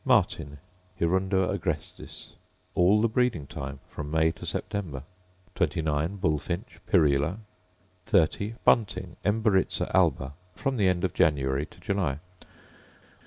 Martin, Hirundo agrestis: All the breeding time; from May to September. 29. Bullfinch, Pyrrhula: 30. Bunting, Emberiza alba: From the end of January to July.